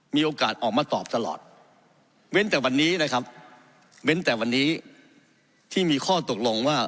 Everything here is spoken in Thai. มีโอกาสออกมาตอบตลอดเว้นแต่วันนี้นะครับเว้นแต่วันนี้ที่มีข้อตกลงว่า